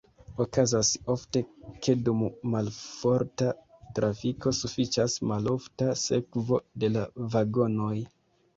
Okazas ofte, ke dum malforta trafiko sufiĉas malofta sekvo de la vagonoj.